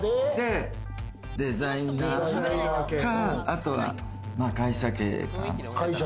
デザイナー、あとは会社経営かな。